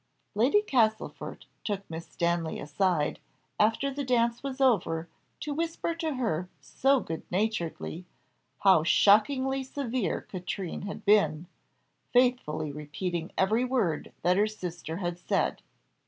'" Lady Castlefort took Miss Stanley aside, after the dance was over, to whisper to her so good naturedly, how shockingly severe Katrine had been; faithfully repeating every word that her sister had said.